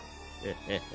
ハハハッ。